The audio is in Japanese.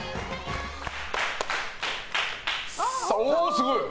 すごい！